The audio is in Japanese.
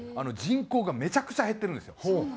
人口がめちゃくちゃ減ってるんですよ。